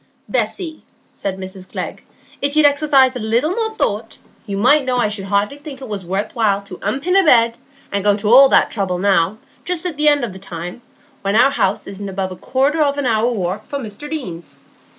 "Bessy," said Mrs Glegg, "if you'd exercise a little more thought, you might know I should hardly think it was worth while to unpin a bed, and go to all that trouble now, just at the end o' the time, when our house isn't above a quarter of an hour's walk from Mr Deane's.